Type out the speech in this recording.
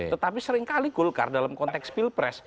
tetapi sering kali golkar dalam konteks pilpres